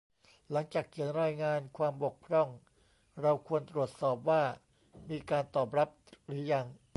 หลังจากเขียนรายงานความบกพร่อง เราควรตรวจสอบว่ามีการตอบรับหรือยัง